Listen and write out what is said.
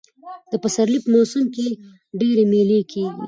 د پسرلي په موسم کښي ډېرئ مېلې کېږي.